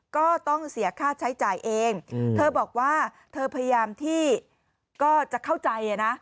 ก็ต้องเสียค่าใช้จ่ายเองเธอบอกว่าเธอพยายามที่ก็จะเข้าใจนะ